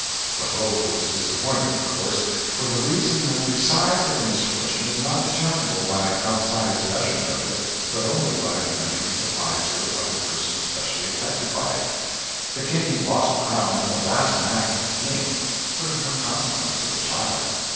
The hope was disappointed, of course for the reason that the size of a misfortune is not determinate by an outsider's measurement of it, but only by the measurements applied to it by the person specially affected by it. The king's lost crown is a vast matter to the king, but of no consequence to the child.